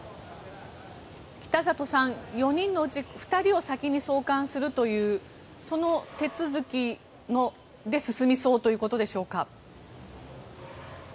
北里さん４人のうち２人を先に送還するというその手続きで進みそうということでしょうか？